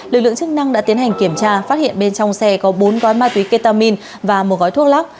lực lượng chức năng đã tiến hành kiểm tra phát hiện bên trong xe có bốn gói ma túy ketamin và một gói thuốc lắc